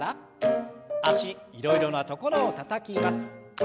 脚いろいろなところをたたきます。